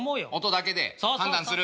音だけで判断する。